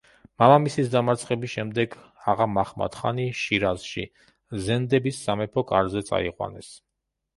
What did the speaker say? მამამისის დამარცხების შემდეგ აღა-მაჰმად-ხანი შირაზში, ზენდების სამეფო კარზე წაიყვანეს.